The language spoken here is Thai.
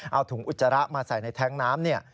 เอาถุงอุจจาระมาใส่ในแท็งค์น้ำ